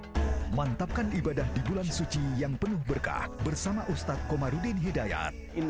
hai mantapkan ibadah di bulan suci yang penuh berkah bersama ustadz komarudin hidayat inna